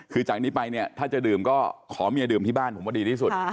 คือจากนี้ไปเนี่ยถ้าจะดื่มก็ขอเมียดื่มที่บ้านผมว่าดีที่สุด